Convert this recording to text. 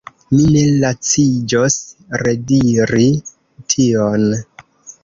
Mi ne laciĝos rediri tion.